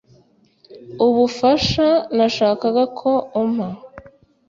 ubufasha nashakaga ko umpa